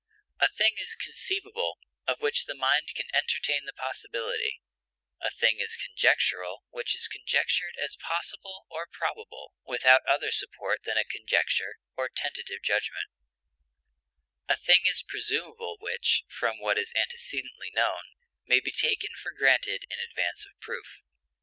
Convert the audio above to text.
A thing is conceivable of which the mind can entertain the possibility; a thing is conjectural which is conjectured as possible or probable without other support than a conjecture, or tentative judgment; a thing is presumable which, from what is antecedently known, may betaken for granted in advance of proof.